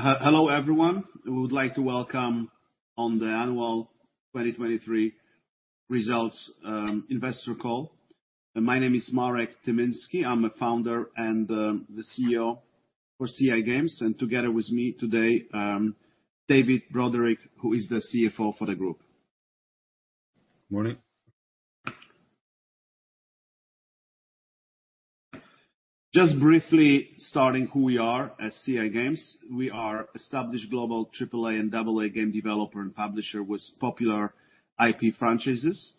Hello everyone. We would like to welcome on the annual 2023 Results Investor Call. My name is Marek Tymiński. I'm a Founder and the CEO for CI Games. Together with me today, David Broderick, who is the CFO for the group. Morning. Just briefly starting who we are at CI Games. We are established global AAA and AA game developer and publisher with popular IP franchises.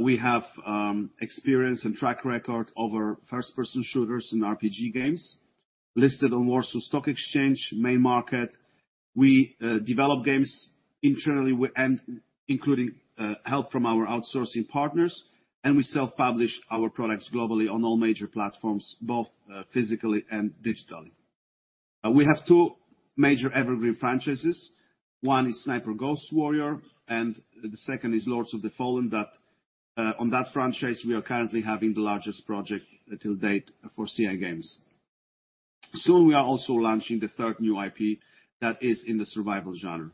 We have experience and track record over first-person shooters and RPG games. Listed on Warsaw Stock Exchange main market. We develop games internally with and including help from our outsourcing partners, and we self-publish our products globally on all major platforms, both physically and digitally. We have two major evergreen franchises. One is Sniper Ghost Warrior. The second is Lords of the Fallen. On that franchise, we are currently having the largest project to date for CI Games. Soon, we are also launching the third new IP that is in the survival genre.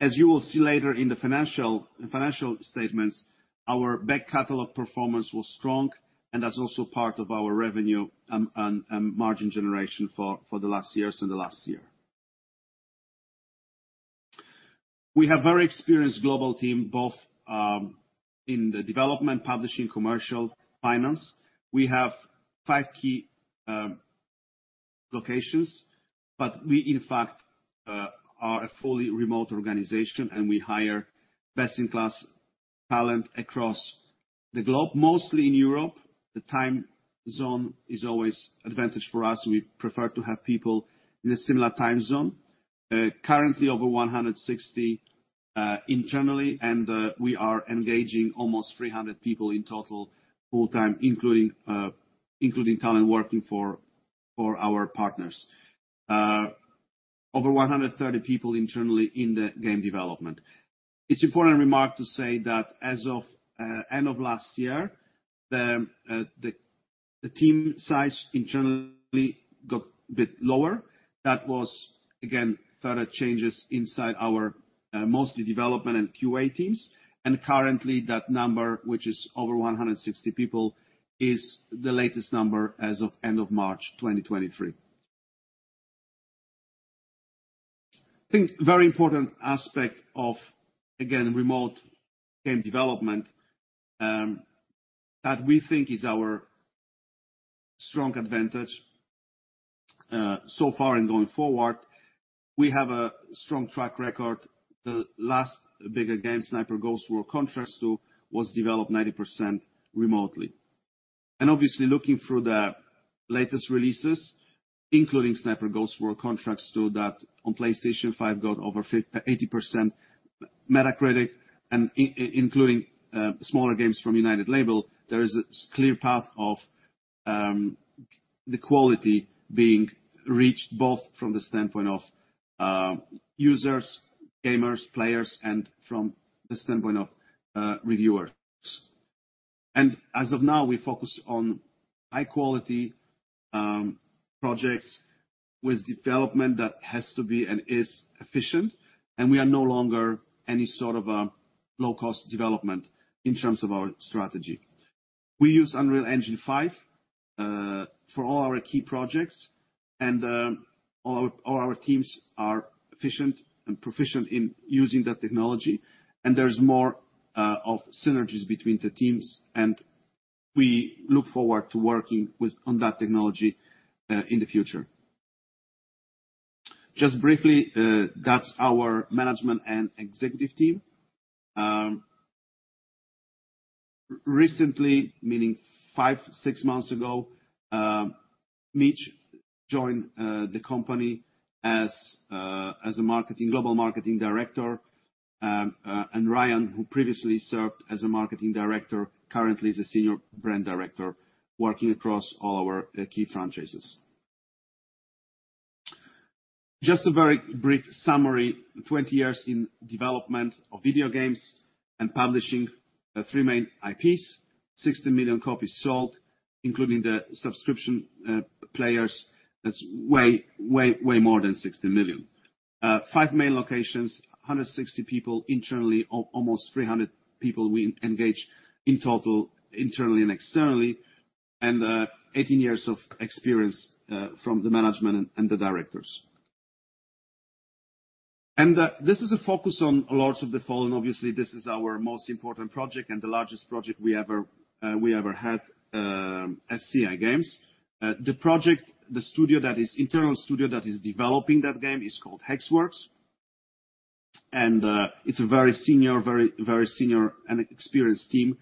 As you will see later in the financial statements, our back catalog performance was strong, and that's also part of our revenue and margin generation for the last years and the last year. We have very experienced global team, both in the development, publishing, commercial, finance. We have five key locations, but we in fact are a fully remote organization, and we hire best-in-class talent across the globe, mostly in Europe. The time zone is always advantage for us. We prefer to have people in a similar time zone. Currently over 160 internally, and we are engaging almost 300 people in total full-time, including talent working for our partners. Over 130 people internally in the game development. It's important remark to say that as of end of last year, the team size internally got a bit lower. That was again further changes inside our mostly development and QA teams. Currently that number, which is over 160 people, is the latest number as of end of March 2023. I think very important aspect of, again, remote game development, that we think is our strong advantage so far and going forward, we have a strong track record. The last bigger game, Sniper Ghost Warrior Contracts 2, was developed 90% remotely. Obviously looking through the latest releases, including Sniper Ghost Warrior Contracts 2 that on PlayStation 5 got over 80% Metacritic and including smaller games from United Label, there is a clear path of the quality being reached, both from the standpoint of users, gamers, players, and from the standpoint of reviewers. As of now, we focus on high quality projects with development that has to be and is efficient, and we are no longer any sort of a low cost development in terms of our strategy. We use Unreal Engine 5 for all our key projects and all our teams are efficient and proficient in using that technology, and there's more of synergies between the teams, and we look forward to working on that technology in the future. Just briefly, that's our management and executive team. Recently, meaning 5, 6 months ago, Mich joined the company as a global marketing director. Ryan, who previously served as a marketing director, currently is a Senior Brand Director working across all our key franchises. Just a very brief summary. 20 years in development of video games and publishing, 3 main IPs, 60 million copies sold, including the subscription players. That's way, way more than 60 million. 5 main locations, 160 people internally, almost 300 people we engage in total, internally and externally, 18 years of experience from the management and the directors. This is a focus on Lords of the Fallen, obviously, this is our most important project and the largest project we ever, we ever had, as CI Games. The project, the studio that is internal studio that is developing that game is called Hexworks, and it's a very senior and experienced team,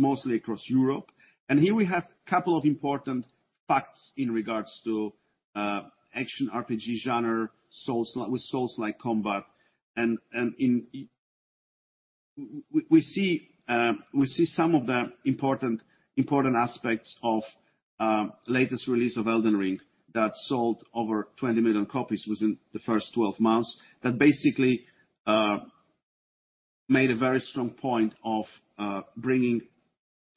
mostly across Europe. Here we have a couple of important facts in regards to action RPG genre with Soulslike combat and we see some of the important aspects of latest release of Elden Ring that sold over 20 million copies within the first 12 months, that basically made a very strong point of bringing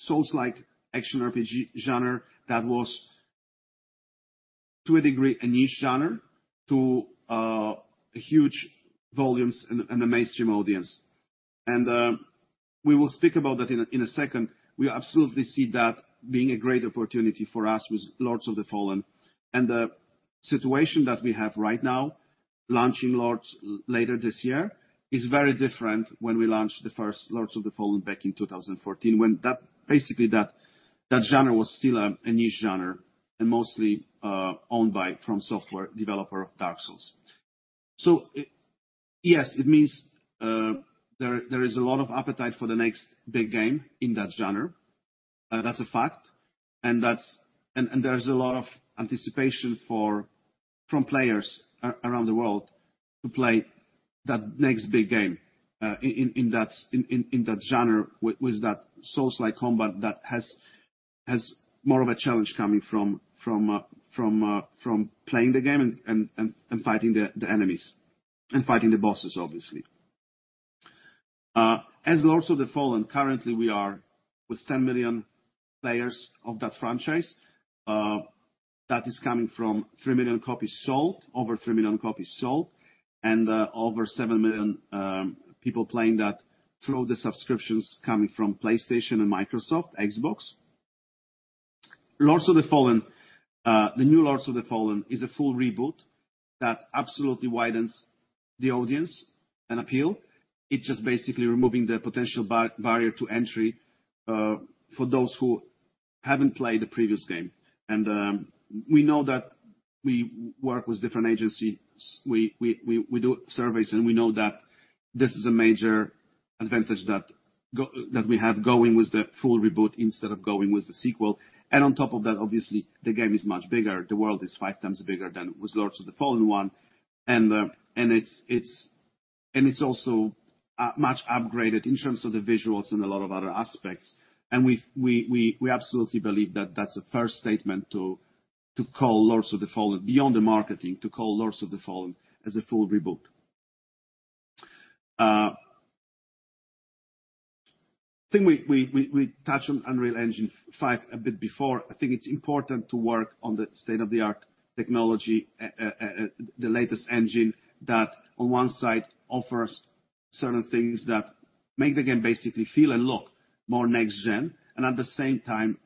Soulslike action RPG genre that was, to a degree, a niche genre to huge volumes and a mainstream audience. We will speak about that in a second. We absolutely see that being a great opportunity for us with Lords of the Fallen. The situation that we have right now, launching Lords later this year, is very different when we launched the first Lords of the Fallen back in 2014, when basically that genre was still a niche genre and mostly owned by FromSoftware developer of Dark Souls. Yes, it means there is a lot of appetite for the next big game in that genre. That's a fact. And there's a lot of anticipation from players around the world to play that next big game in that genre with that Soulslike combat that has more of a challenge coming from playing the game and fighting the enemies and fighting the bosses, obviously. As Lords of the Fallen, currently we are with 10 million players of that franchise, that is coming from 3 million copies sold, over 3 million copies sold, and over 7 million people playing that through the subscriptions coming from PlayStation and Microsoft, Xbox. Lords of the Fallen, the new Lords of the Fallen is a full reboot that absolutely widens the audience and appeal. It's just basically removing the potential barrier to entry for those who haven't played the previous game. We know that we work with different agencies. We do surveys, and we know that this is a major advantage that we have going with the full reboot instead of going with the sequel. On top of that, obviously, the game is much bigger. The world is five times bigger than with Lords of the Fallen 1. It's also much upgraded in terms of the visuals and a lot of other aspects. We absolutely believe that that's the first statement to call Lords of the Fallen beyond the marketing, to call Lords of the Fallen as a full reboot. I think we touched on Unreal Engine 5 a bit before. I think it's important to work on the state-of-the-art technology, the latest engine that on one side offers certain things that make the game basically feel and look more next gen, and at the same time,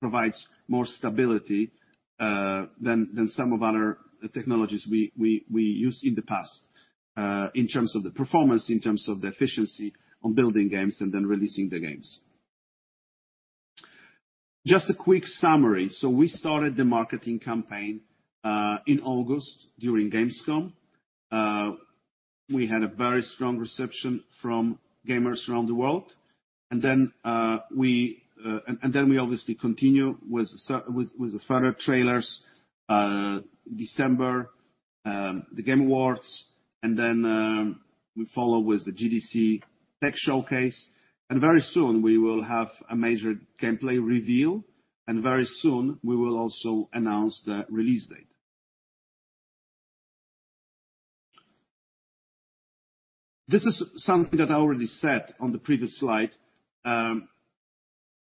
provides more stability than some of our technologies we used in the past, in terms of the performance, in terms of the efficiency on building games and then releasing the games. Just a quick summary. We started the marketing campaign in August during Gamescom. We had a very strong reception from gamers around the world. We and then we obviously continue with the further trailers, December, The Game Awards, and then we follow with the GDC Tech Showcase. Very soon we will have a major gameplay reveal, and very soon we will also announce the release date. This is something that I already said on the previous slide. I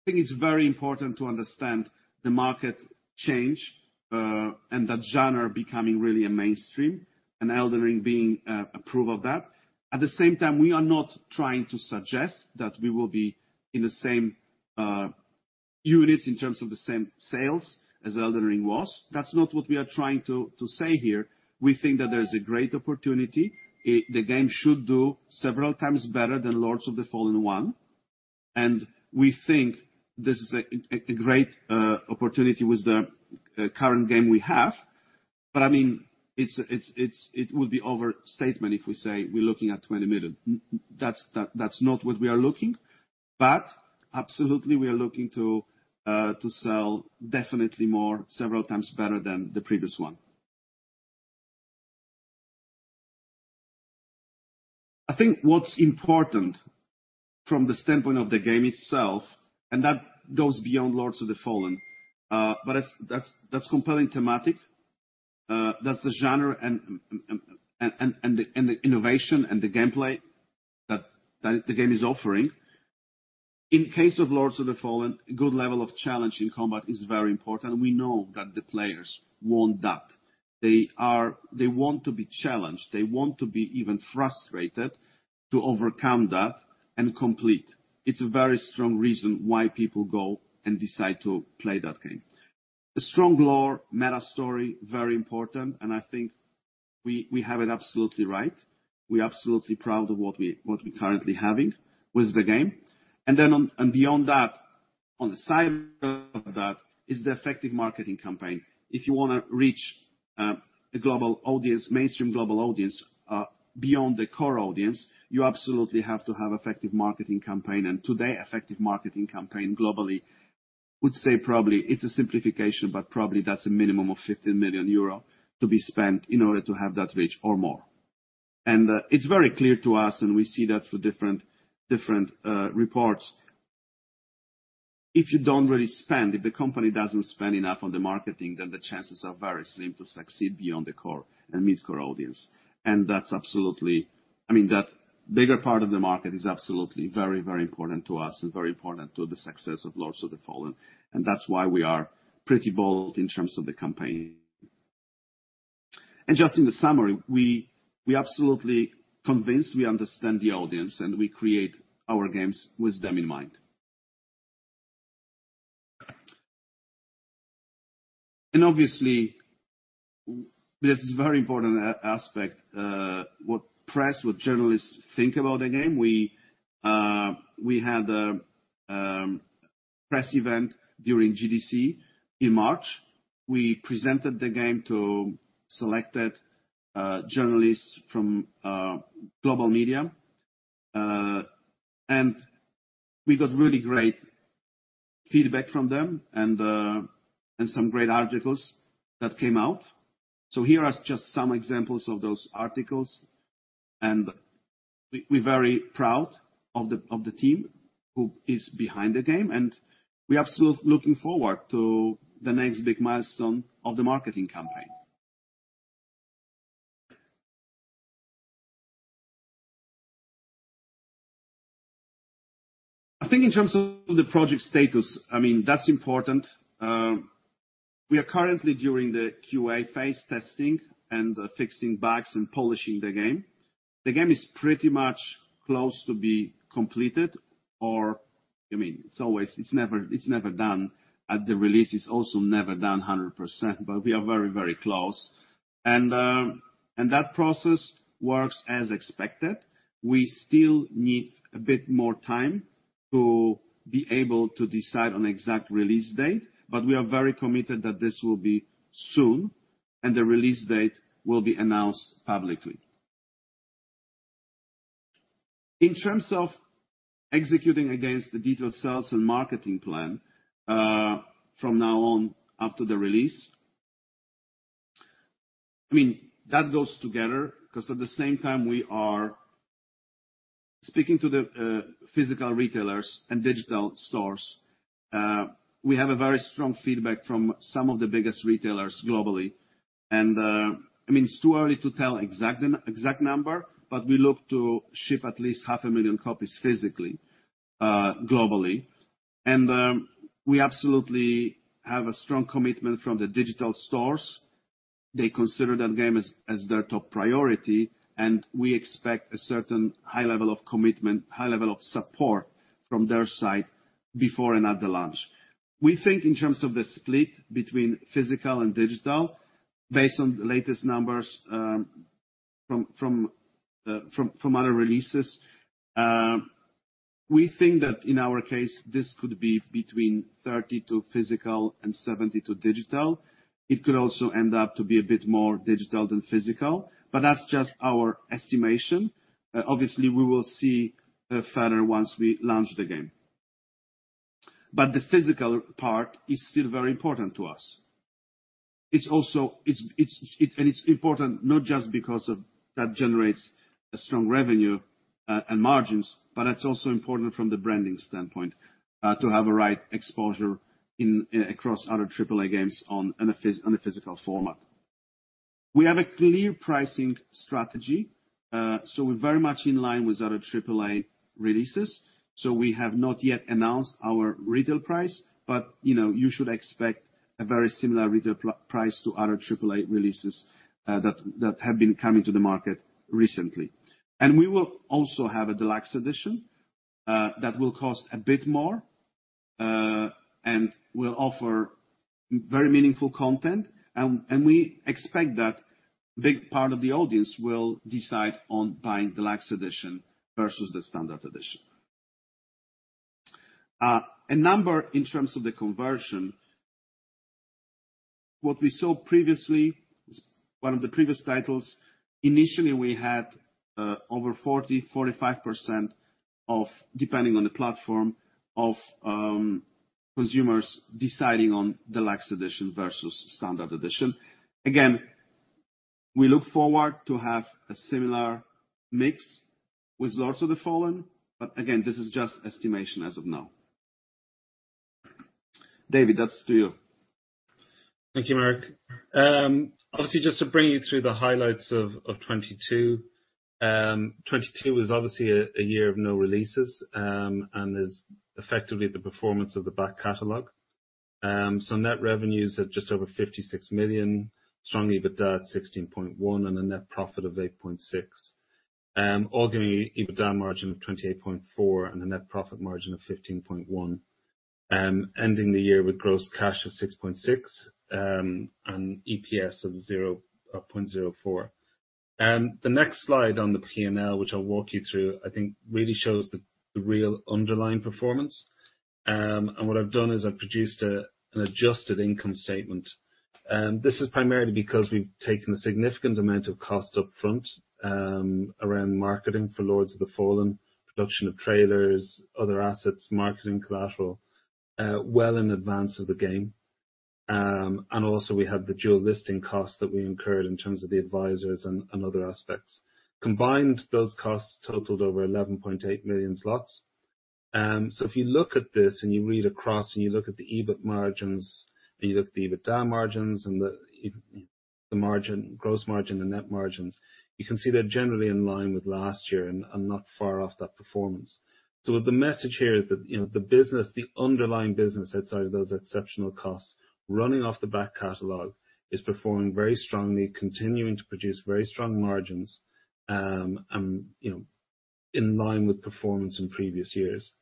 think it's very important to understand the market change, and that genre becoming really a mainstream and Elden Ring being a proof of that. At the same time, we are not trying to suggest that we will be in the same units in terms of the same sales as Elden Ring was. That's not what we are trying to say here. We think that there's a great opportunity. The game should do several times better than Lords of the Fallen 1, and we think this is a great opportunity with the current game we have. I mean, it would be overstatement if we say we're looking at 20 million. That's not what we are looking. Absolutely, we are looking to sell definitely more, several times better than the previous one. I think what's important from the standpoint of the game itself, and that goes beyond Lords of the Fallen, that's compelling thematic, that's the genre and the innovation and the gameplay that the game is offering. In case of Lords of the Fallen, good level of challenge in combat is very important. We know that the players want that. They want to be challenged. They want to be even frustrated to overcome that and complete. It's a very strong reason why people go and decide to play that game. The strong lore meta story, very important, and I think we have it absolutely right. We're absolutely proud of what we currently having with the game. Beyond that, on the side of that is the effective marketing campaign. If you wanna reach a global audience, mainstream global audience, beyond the core audience, you absolutely have to have effective marketing campaign. Today, effective marketing campaign globally. Would say probably it's a simplification, but probably that's a minimum of 15 million euro to be spent in order to have that reach or more. It's very clear to us, and we see that through different reports. If you don't really spend, if the company doesn't spend enough on the marketing, then the chances are very slim to succeed beyond the core and mid-core audience. That's absolutely. I mean, that bigger part of the market is absolutely very, very important to us and very important to the success of Lords of the Fallen. That's why we are pretty bold in terms of the campaign. Just in the summary, we absolutely convinced we understand the audience, and we create our games with them in mind. Obviously, this is a very important aspect, what press, what journalists think about the game. We had a press event during GDC in March. We presented the game to selected journalists from global media, we got really great feedback from them and some great articles that came out. Here are just some examples of those articles. We're very proud of the team who is behind the game. We are so looking forward to the next big milestone of the marketing campaign. I think in terms of the project status, I mean, that's important. We are currently during the QA phase testing and fixing bugs and polishing the game. The game is pretty much close to be completed or, I mean, it's never done. At the release, it's also never done 100%. We are very, very close. That process works as expected. We still need a bit more time to be able to decide on exact release date. We are very committed that this will be soon. The release date will be announced publicly. In terms of executing against the detailed sales and marketing plan, from now on, after the release, I mean, that goes together 'cause at the same time we are speaking to the physical retailers and digital stores. We have a very strong feedback from some of the biggest retailers globally. I mean, it's too early to tell exact number, but we look to ship at least half a million copies physically globally. We absolutely have a strong commitment from the digital stores. They consider that game as their top priority, and we expect a certain high level of commitment, high level of support from their side before and after launch. We think in terms of the split between physical and digital, based on the latest numbers, from other releases, we think that in our case, this could be between 30% to physical and 70% to digital. It could also end up to be a bit more digital than physical, but that's just our estimation. Obviously, we will see further once we launch the game. The physical part is still very important to us. It's also important not just because of that generates a strong revenue, and margins, but it's also important from the branding standpoint, to have a right exposure in, across other AAA games on a physical format. We have a clear pricing strategy. We're very much in line with other AAA releases. We have not yet announced our retail price, you know, you should expect a very similar retail price to other AAA releases that have been coming to the market recently. We will also have a deluxe edition that will cost a bit more and will offer very meaningful content. We expect that big part of the audience will decide on buying deluxe edition versus the standard edition. A number in terms of the conversion, what we saw previously, one of the previous titles, initially we had over 40-45% of, depending on the platform, consumers deciding on deluxe edition versus standard edition. We look forward to have a similar mix with Lords of the Fallen, this is just estimation as of now. David, that's to you. Thank you, Marek. Obviously, just to bring you through the highlights of 2022. 2022 was obviously a year of no releases and is effectively the performance of the back catalog. Net revenues of just over 56 million, strong EBITDA of 16.1 million and a net profit of 8.6 million. Organic EBITDA margin of 28.4% and a net profit margin of 15.1%. Ending the year with gross cash of 6.6 million and EPS of 0.04. The next slide on the P&L, which I'll walk you through, I think really shows the real underlying performance. What I've done is I've produced an adjusted income statement. This is primarily because we've taken a significant amount of cost upfront around marketing for Lords of the Fallen, production of trailers, other assets, marketing collateral, well in advance of the game. Also we have the dual listing costs that we incurred in terms of the advisors and other aspects. Combined, those costs totaled over 11.8 million zlotys. So if you look at this and you read across and you look at the EBIT margins, and you look at the EBITDA margins and the margin, gross margin, the net margins, you can see they're generally in line with last year and not far off that performance. The message here is that, you know, the business, the underlying business outside of those exceptional costs running off the back catalog is performing very strongly, continuing to produce very strong margins, and, you know, in line with performance in previous years.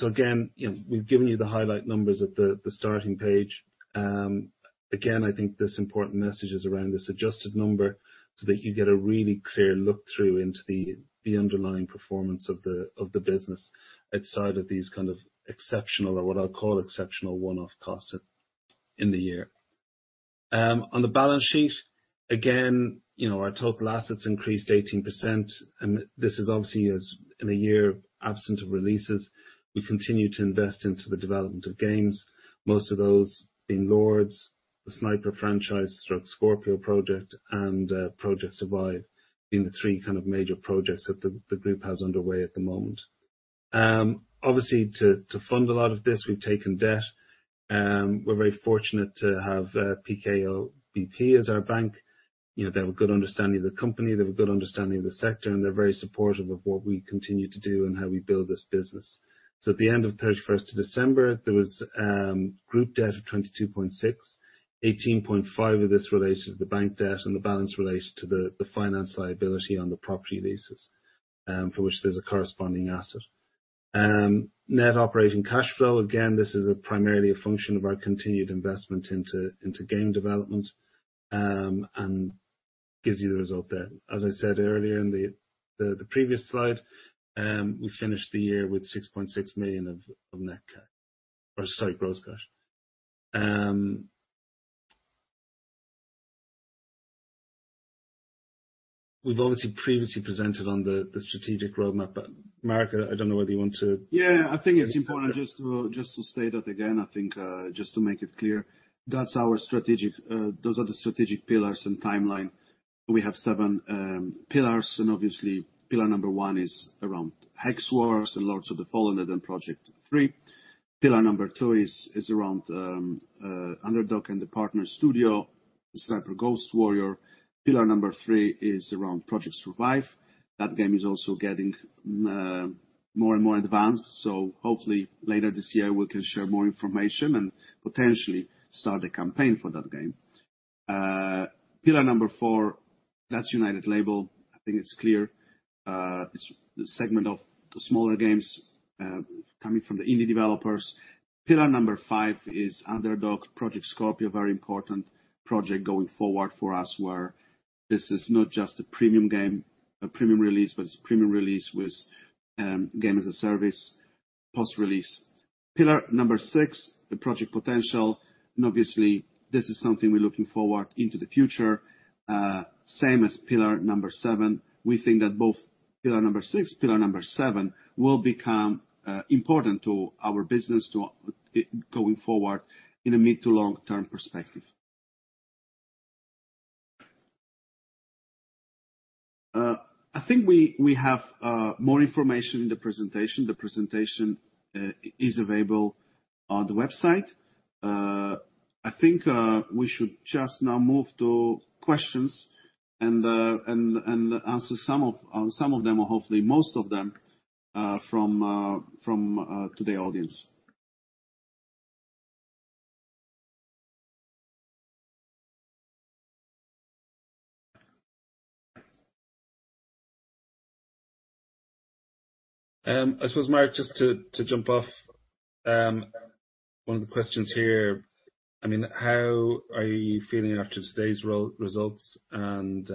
Again, you know, we've given you the highlight numbers at the starting page. Again, I think this important message is around this adjusted number so that you get a really clear look through into the underlying performance of the business outside of these kind of exceptional or what I'll call exceptional one-off costs in the year. On the balance sheet, again, you know, our total assets increased 18%, and this is obviously as in a year absent of releases, we continue to invest into the development of games. Most of those being Lords, the Sniper franchise/Project Scorpio, and Project Survive being the three kind of major projects that the group has underway at the moment. Obviously to fund a lot of this, we've taken debt. We're very fortunate to have PKO BP as our bank. You know, they have a good understanding of the company, they have a good understanding of the sector, and they're very supportive of what we continue to do and how we build this business. At the end of 31st of December, there was group debt of 22.6. 18.5 of this related to the bank debt and the balance related to the finance liability on the property leases, for which there's a corresponding asset. Net operating cash flow. This is a primarily a function of our continued investment into game development and gives you the result there. As I said earlier in the previous slide, we finished the year with 6.6 million of net cash or sorry, gross cash. We've obviously previously presented on the strategic roadmap, Marek, I don't know whether you want to. Yeah. I think it's important just to state it again, I think, just to make it clear, that's our strategic, those are the strategic pillars and timeline. We have seven pillars and obviously pillar number one is around Hexworks and Lords of the Fallen and then Project Three. Pillar number two is around Underdog and the partner studio, Sniper Ghost Warrior. Pillar number three is around Project Survive. That game is also getting more and more advanced, hopefully later this year we can share more information and potentially start a campaign for that game. Pillar number four, that's United Label. I think it's clear. It's the segment of the smaller games, coming from the indie developers. Pillar number five is Underdog. Project Scorpio, very important project going forward for us, where this is not just a premium game, a premium release, but it's premium release with game as a service post-release. Pillar number six, the project potential. Obviously this is something we're looking forward into the future. Same as pillar number seven. We think that both pillar number six, pillar number seven, will become important to our business going forward in a mid to long term perspective. I think we have more information in the presentation. The presentation is available on the website. I think we should just now move to questions and answer some of them or hopefully most of them from today audience. I suppose, Marek, just to jump off, one of the questions here, I mean, how are you feeling after today's results, and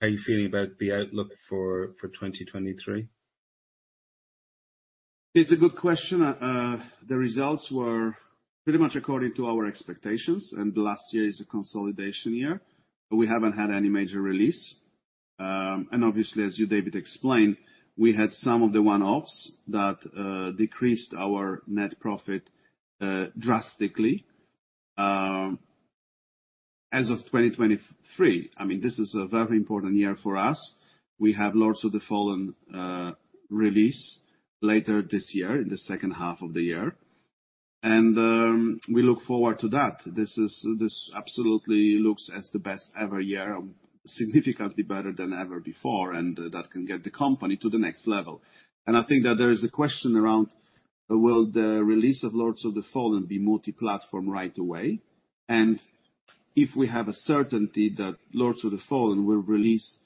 how are you feeling about the outlook for 2023? It's a good question. The results were pretty much according to our expectations, the last year is a consolidation year. We haven't had any major release. Obviously as you David explained, we had some of the one-offs that decreased our net profit drastically. As of 2023, I mean, this is a very important year for us. We have Lords of the Fallen release later this year, in the second half of the year. We look forward to that. This absolutely looks as the best ever year, significantly better than ever before, and that can get the company to the next level. I think that there is a question around will the release of Lords of the Fallen be multi-platform right away? If we have a certainty that Lords of the Fallen will release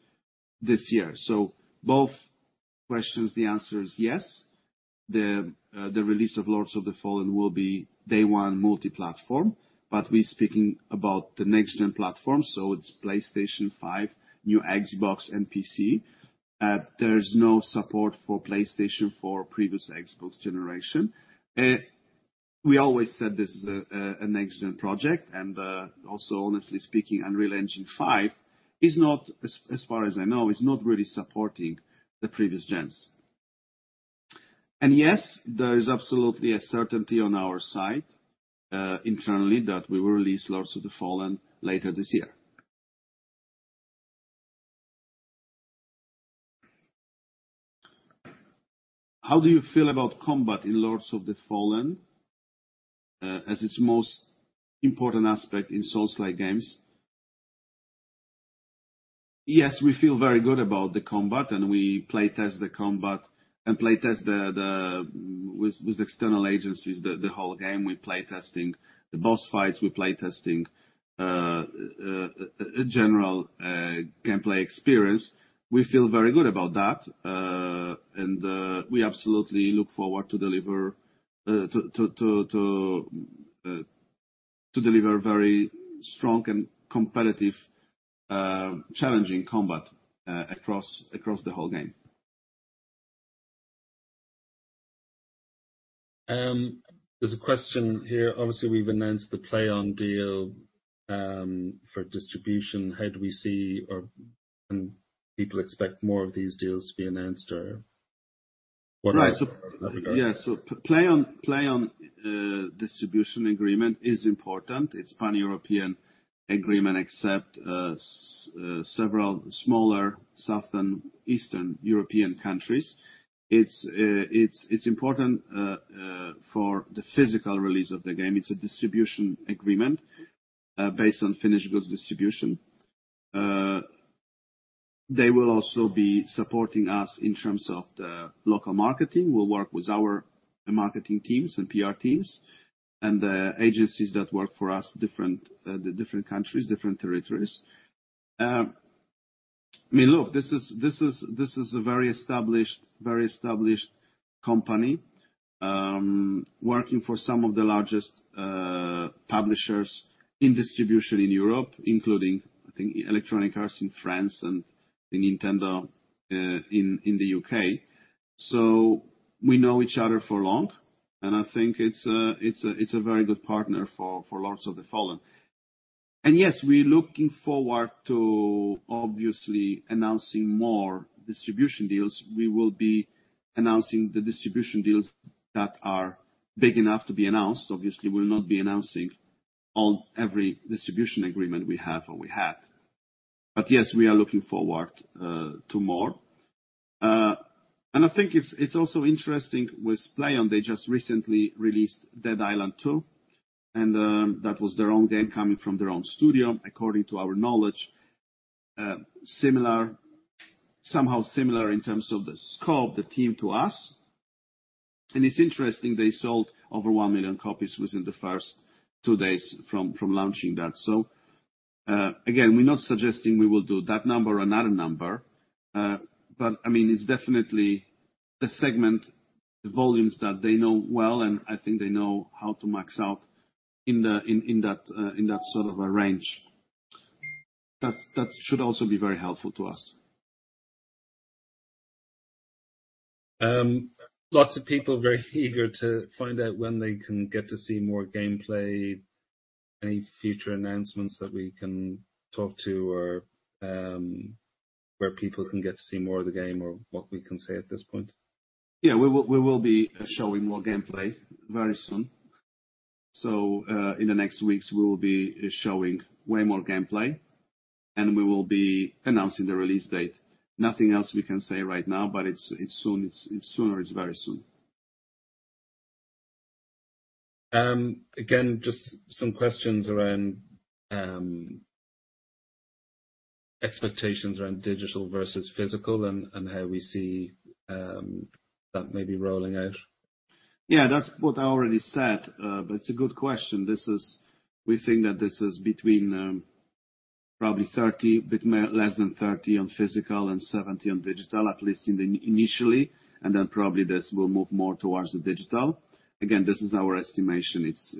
this year? Both questions, the answer is yes. The release of Lords of the Fallen will be day one multi-platform, but we're speaking about the next-gen platform, so it's PlayStation 5, new Xbox, and PC. There's no support for PlayStation for previous Xbox generation. We always said this is a next-gen project, and also honestly speaking, Unreal Engine 5 is not, as far as I know, is not really supporting the previous gens. Yes, there is absolutely a certainty on our side internally that we will release Lords of the Fallen later this year. How do you feel about combat in Lords of the Fallen as its most important aspect in Soulslike games? Yes, we feel very good about the combat. We play test the combat and play test the with external agencies, the whole game. We play testing the boss fights, we play testing a general gameplay experience. We feel very good about that. We absolutely look forward to deliver very strong and competitive challenging combat across the whole game. There's a question here. Obviously, we've announced the PLAION deal, for distribution. How do we see or can people expect more of these deals to be announced, or what... Right. Yeah. PLAION distribution agreement is important. It's pan-European agreement, except several smaller southern eastern European countries. It's important for the physical release of the game. It's a distribution agreement, based on finished goods distribution. They will also be supporting us in terms of the local marketing, will work with our marketing teams and PR teams and the agencies that work for us, different the different countries, different territories. I mean, look, this is a very established company, working for some of the largest publishers in distribution in Europe, including, I think Electronic Arts in France and Nintendo in the U.K. We know each other for long, and I think it's a very good partner for Lords of the Fallen. Yes, we're looking forward to obviously announcing more distribution deals. We will be announcing the distribution deals that are big enough to be announced. Obviously, we'll not be announcing every distribution agreement we have or we had. Yes, we are looking forward to more. I think it's also interesting with PLAION, they just recently released Dead Island 2, and that was their own game coming from their own studio. According to our knowledge, somehow similar in terms of the scope, the team to us. It's interesting, they sold over 1 million copies within the first 2 days from launching that. Again, we're not suggesting we will do that number or another number, but I mean, it's definitely the segment, the volumes that they know well, and I think they know how to max out in that, in that sort of a range. That's, that should also be very helpful to us. Lots of people very eager to find out when they can get to see more gameplay. Any future announcements that we can talk to or, where people can get to see more of the game or what we can say at this point? Yeah, we will be showing more gameplay very soon. In the next weeks, we will be showing way more gameplay, and we will be announcing the release date. Nothing else we can say right now, but it's soon. It's soon, or it's very soon. Again, just some questions around expectations around digital versus physical and how we see that maybe rolling out. Yeah, that's what I already said. It's a good question. We think that this is between, probably less than 30 on physical and 70 on digital, at least in the initially, then probably this will move more towards the digital. Again, this is our estimation. It's,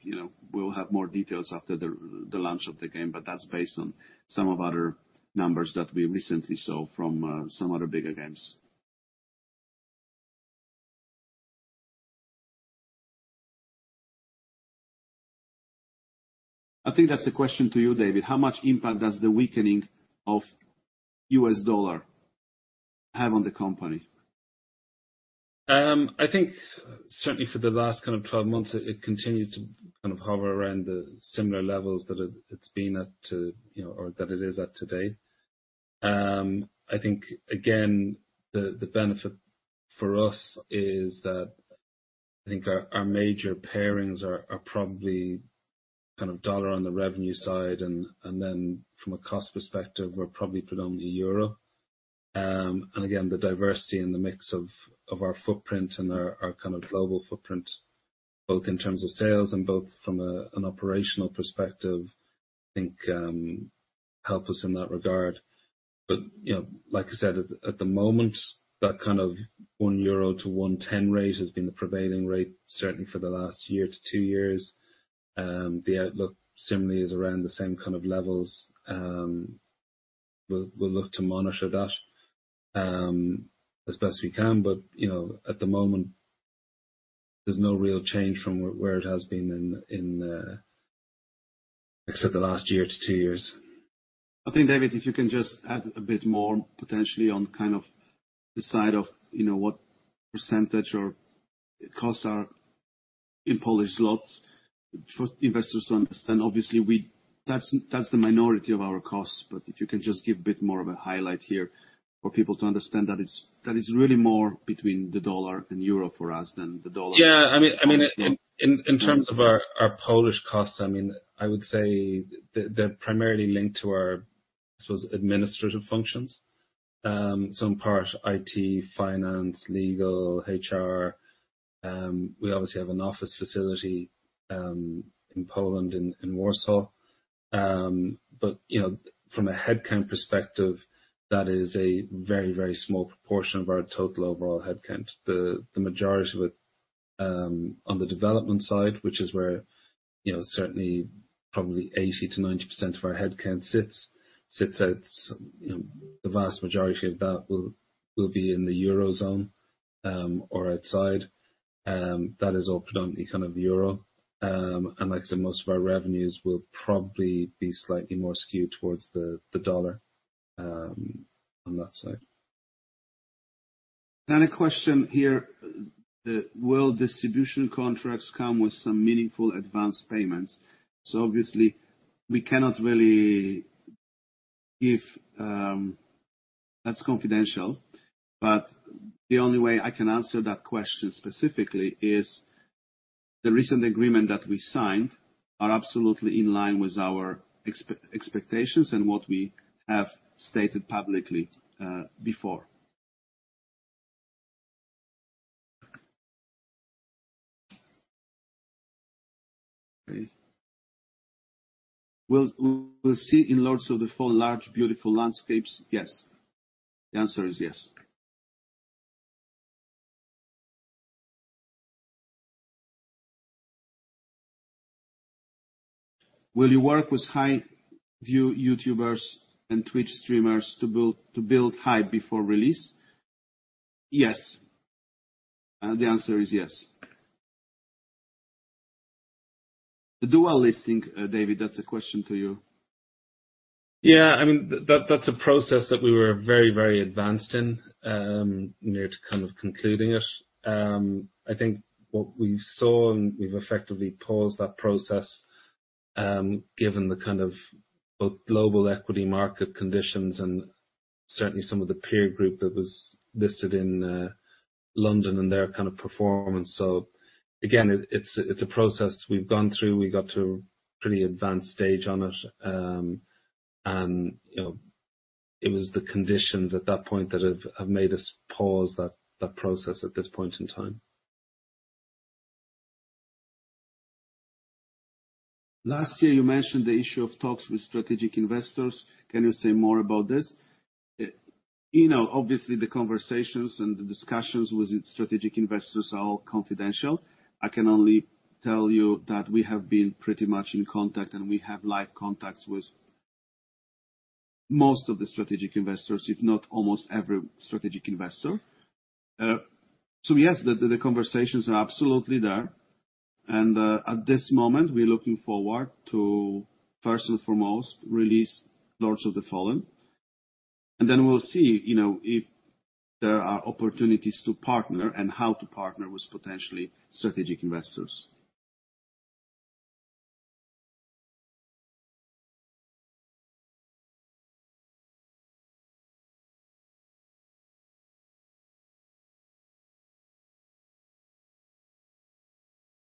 you know, we'll have more details after the launch of the game, that's based on some of other numbers that we recently saw from some other bigger games. I think that's a question to you, David. How much impact does the weakening of U.S. dollar have on the company? I think certainly .for the last kind of 12 months, it continues to kind of hover around the similar levels that it's been at to, you know, or that it is at today. I think again, the benefit for us is that I think our major pairings are probably kind of dollar on the revenue side, and then from a cost perspective, we're probably predominantly euro. And again, the diversity and the mix of our footprint and our kind of global footprint, both in terms of sales and both from an operational perspective, I think, help us in that regard. You know, like I said, at the moment, that kind of 1 euro to 1.10 rate has been the prevailing rate, certainly for the last year to 2 years. The outlook similarly is around the same kind of levels. We'll look to monitor that as best we can, but, you know, at the moment, there's no real change from where it has been in, except the last year to 2 years. I think, David, if you can just add a bit more potentially on kind of the side of, you know, what % or costs are in Polish zlotys for investors to understand. Obviously, That's the minority of our costs. If you can just give a bit more of a highlight here for people to understand that it's really more between the US dollar and euro for us. Yeah. I mean, in terms of our Polish costs, I mean, I would say they're primarily linked to our, I suppose, administrative functions. In part IT, finance, legal, HR. We obviously have an office facility in Poland, in Warsaw. You know, from a headcount perspective, that is a very small proportion of our total overall headcount. The majority of it on the development side, which is where, you know, certainly probably 80%-90% of our headcount sits at, you know, the vast majority of that will be in the Eurozone or outside. That is all predominantly kind of euro. Like I said, most of our revenues will probably be slightly more skewed towards the dollar on that side. A question here. Will distribution contracts come with some meaningful advanced payments? Obviously we cannot really give,... That's confidential, but the only way I can answer that question specifically is the recent agreement that we signed are absolutely in line with our expectations and what we have stated publicly before. Okay. Will we see in Lords of the Fallen large, beautiful landscapes? Yes. The answer is yes. Will you work with high-view YouTubers and Twitch streamers to build hype before release? Yes. The answer is yes. The dual listing, David, that's a question to you. Yeah. I mean, that's a process that we were very advanced in near to kind of concluding it. I think what we saw, and we've effectively paused that process, given the kind of both global equity market conditions and certainly some of the peer group that was listed in London and their kind of performance. Again, it's a process we've gone through. We got to a pretty advanced stage on it. You know, it was the conditions at that point that have made us pause that process at this point in time. Last year, you mentioned the issue of talks with strategic investors. Can you say more about this? You know, obviously the conversations and the discussions with strategic investors are all confidential. I can only tell you that we have been pretty much in contact, and we have live contacts with most of the strategic investors, if not almost every strategic investor. Yes, the conversations are absolutely there. At this moment, we're looking forward to, first and foremost, release Lords of the Fallen. We'll see, you know, if there are opportunities to partner and how to partner with potentially strategic investors.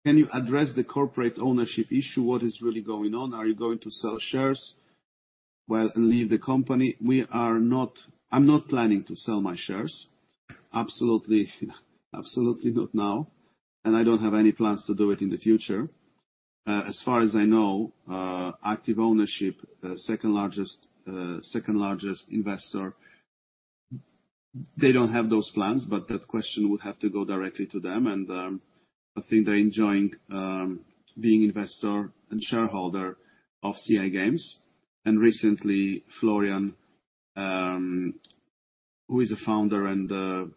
Can you address the corporate ownership issue? What is really going on? Are you going to sell shares? Well, leave the company. I'm not planning to sell my shares. Absolutely, absolutely not now, I don't have any plans to do it in the future. As far as I know, Active Ownership, second largest investor, they don't have those plans, but that question would have to go directly to them. I think they're enjoying being investor and shareholder of CI Games. Recently, Florian, who is a founder and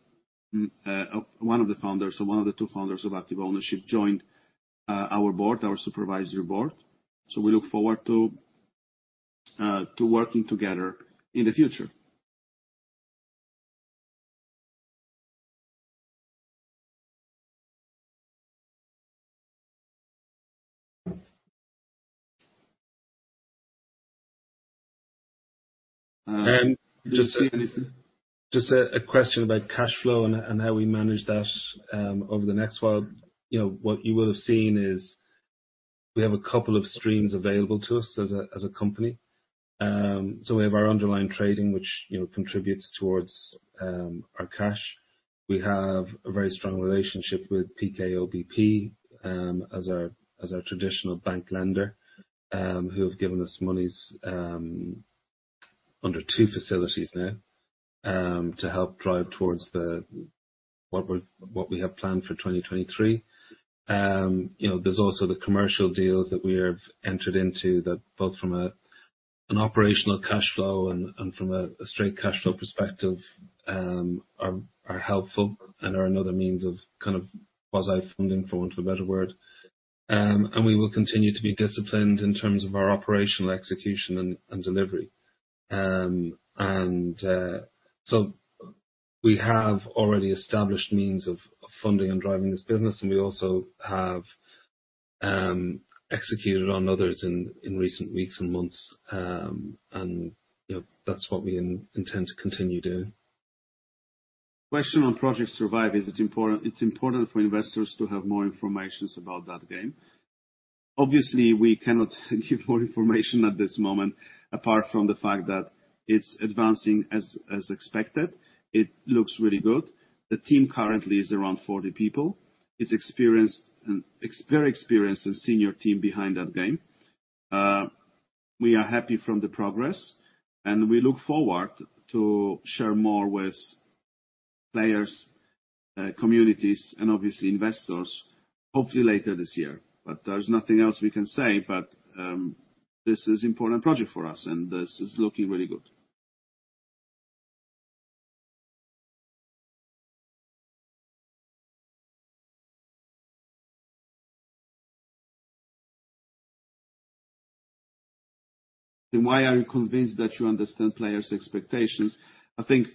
one of the founders or one of the two founders of Active Ownership, joined our board, our supervisory board. We look forward to working together in the future. Just a question about cash flow and how we manage that over the next while. You know, what you will have seen is we have a couple of streams available to us as a company. We have our underlying trading, which, you know, contributes towards our cash. We have a very strong relationship with PKO BP as our traditional bank lender, who have given us monies under two facilities now. To help drive towards what we have planned for 2023. You know, there's also the commercial deals that we have entered into that both from an operational cash flow and from a straight cash flow perspective are helpful and are another means of kind of quasi-funding, for want of a better word. We will continue to be disciplined in terms of our operational execution and delivery. We have already established means of funding and driving this business, and we also have executed on others in recent weeks and months. You know, that's what we intend to continue doing. Question on Project Survive. It's important for investors to have more information about that game. Obviously, we cannot give more information at this moment, apart from the fact that it's advancing as expected. It looks really good. The team currently is around 40 people. It's experienced, ex-very experienced and senior team behind that game. We are happy from the progress, and we look forward to share more with players, communities, and obviously investors, hopefully later this year. There's nothing else we can say. This is important project for us, and this is looking really good. Why are you convinced that you understand players' expectations? I think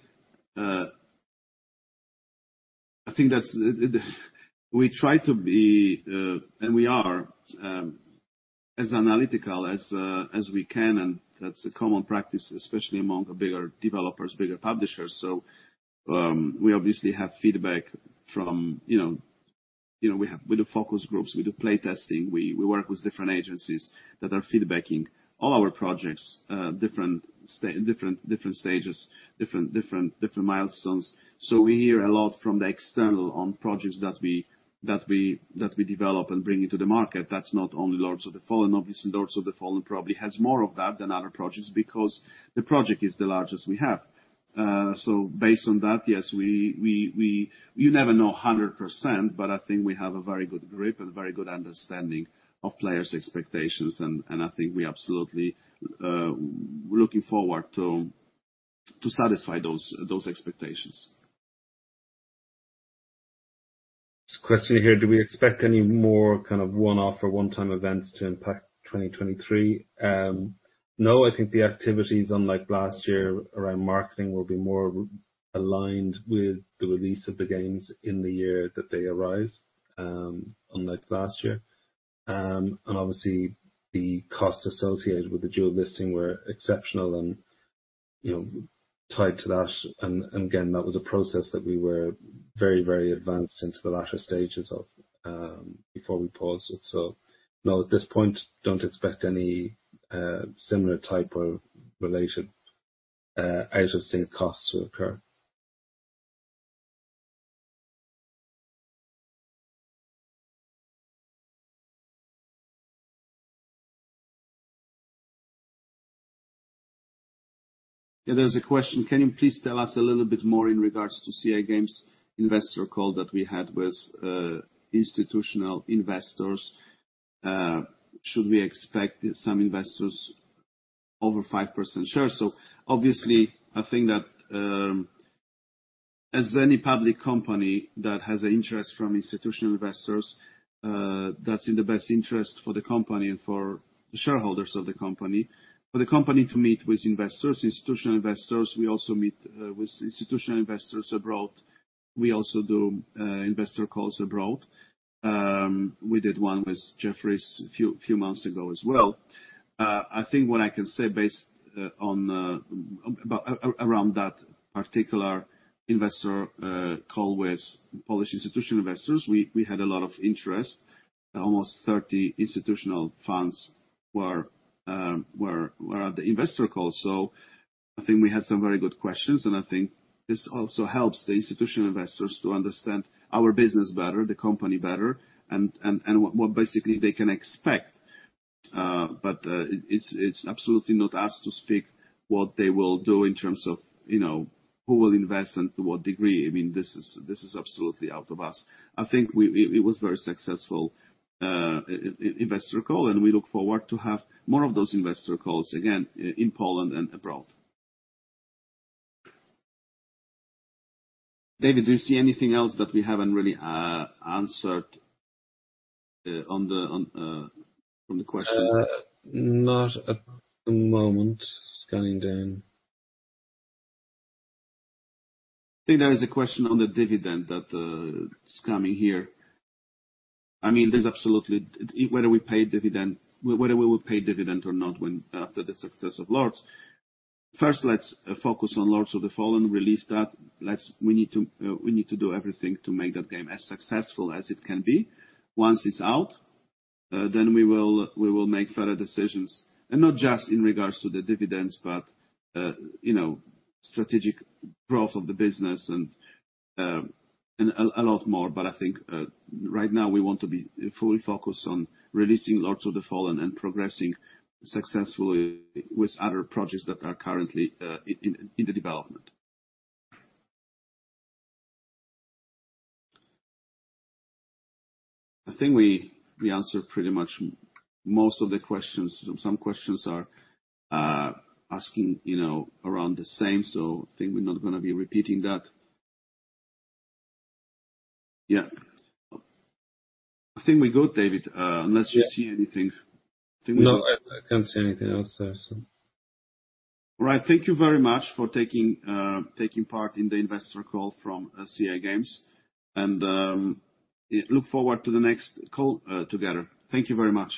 that's the We try to be and we are as analytical as we can, and that's a common practice, especially among the bigger developers, bigger publishers. We obviously have feedback from, you know, we do focus groups, we do play testing, we work with different agencies that are feedbacking all our projects, different stages, different milestones. We hear a lot from the external on projects that we develop and bring into the market. That's not only Lords of the Fallen. Obviously, Lords of the Fallen probably has more of that than other projects because the project is the largest we have. Based on that, yes, we You never know 100%, but I think we have a very good grip and very good understanding of players' expectations. I think we absolutely looking forward to satisfy those expectations. There's a question here: Do we expect any more kind of one-off or one-time events to impact 2023? No. I think the activities unlike last year around marketing will be more aligned with the release of the games in the year that they arise, unlike last year. Obviously, the costs associated with the dual listing were exceptional and, you know, tied to that. Again, that was a process that we were very, very advanced into the latter stages of, before we paused it. No, at this point, don't expect any similar type of related out-of-sync costs to occur. Yeah, there's a question. Can you please tell us a little bit more in regards to CI Games investor call that we had with institutional investors? Should we expect some investors over 5% share? Obviously, I think that, as any public company that has an interest from institutional investors, that's in the best interest for the company and for the shareholders of the company. For the company to meet with investors, institutional investors, we also meet with institutional investors abroad. We also do investor calls abroad. We did one with Jefferies a few months ago as well. I think what I can say based on around that particular investor call with Polish institutional investors, we had a lot of interest. Almost 30 institutional funds were at the investor call. I think we had some very good questions, and I think this also helps the institutional investors to understand our business better, the company better, and what basically they can expect. It's absolutely not asked to speak what they will do in terms of, you know, who will invest and to what degree. I mean, this is absolutely out of us. I think we, it was very successful, investor call, and we look forward to have more of those investor calls again in Poland and abroad. David, do you see anything else that we haven't really answered on the questions? Not at the moment. Scanning down. I think there is a question on the dividend that is coming here. I mean, there's absolutely Whether we will pay dividend or not when after the success of Lords. First, let's focus on Lords of the Fallen, release that. We need to do everything to make that game as successful as it can be. Once it's out, then we will make further decisions. Not just in regards to the dividends, but, you know, strategic growth of the business and a lot more. I think, right now we want to be fully focused on releasing Lords of the Fallen and progressing successfully with other projects that are currently in the development. I think we answered pretty much most of the questions. Some questions are asking, you know, around the same. I think we're not gonna be repeating that. I think we're good, David. Yeah. Unless you see anything. I think we're good. No, I can't see anything else there, so. All right. Thank you very much for taking part in the investor call from CI Games, and look forward to the next call together. Thank you very much.